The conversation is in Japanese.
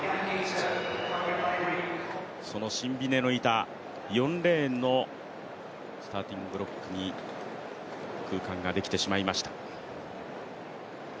そのシンビネのいた４レーンのスターティングブロックに空間ができてしまいました。